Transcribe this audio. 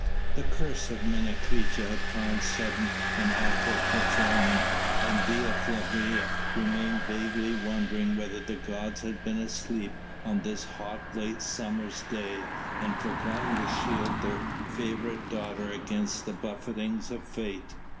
The curse of Menecreta had found sudden and awful fulfilment, and Dea Flavia remained vaguely wondering whether the gods had been asleep on this hot late summer's day and forgotten to shield their favoured daughter against the buffetings of fate.